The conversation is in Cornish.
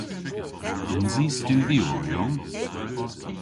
Yns i studhyoryon?